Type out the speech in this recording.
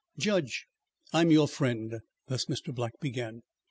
"Judge, I'm your friend;" thus Mr. Black began.